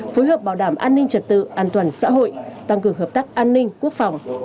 phối hợp bảo đảm an ninh trật tự an toàn xã hội tăng cường hợp tác an ninh quốc phòng